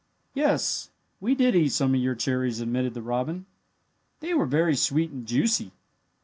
"Yes, we did eat some of your cherries," admitted the robin. "They were very sweet and juicy.